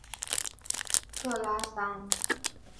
克拉桑。